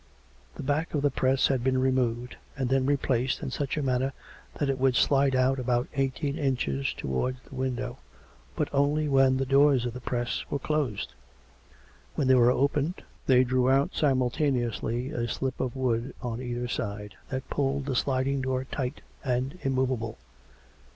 The back of the press had been removed, and then re placed, in such a manner that it would slide out about eighteen inches towards the window, but only when the doors of the press were closed; when they were opened, they drew out simultaneously a slip of wood on either side that pulled the sliding door tight and immovable.